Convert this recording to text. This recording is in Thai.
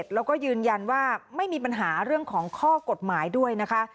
แล้วก็ยืนยันว่าไม่มีปัญหาเรื่องของข้อกฎหมายด้วยนะคะ